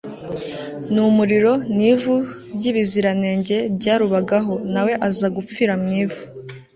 n'umuriro n'ivu by'ibiziranenge byarubagaho, na we aza gupfira mu ivu